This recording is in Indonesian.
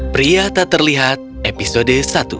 pria tak terlihat episode satu